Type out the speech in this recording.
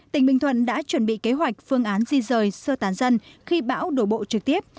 tỉnh bình thuận đã chuẩn bị kế hoạch phương án di rời sơ tán dân khi bão đổ bộ trực tiếp